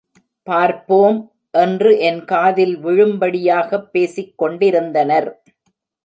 பார்ப்போம், என்று என் காதில் விழும்படியாகப் பேசிக் கொண்டிருந்தனர்.